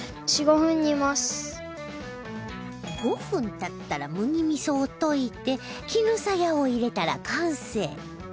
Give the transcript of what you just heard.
５分経ったら麦味噌を溶いて絹さやを入れたら完成